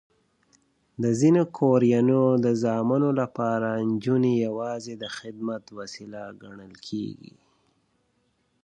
د ځینو کورنیو د زامنو لپاره نجونې یواځې د خدمت وسیله ګڼل کېږي.